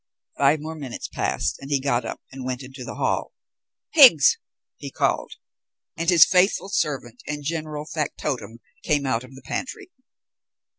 Five more minutes passed, and he got up and went into the hall. "Higgs," he called, and his faithful servant and general factotum came out of the pantry.